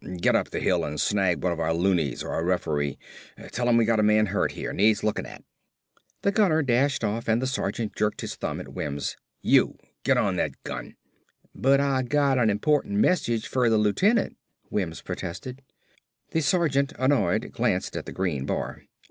"Get up the hill an' snag one of our looeys or a referee. Tell 'im we got a man hurt here, needs lookin' at." The gunner dashed off and the sergeant jerked his thumb at Wims. "You! Get on that gun!" "But Ah got an important message fer the lieutenant," Wims protested. The sergeant, annoyed, glanced at the green bar.